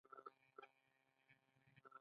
اصلي اوسیدونکو په سوداګرۍ کې مرسته کوله.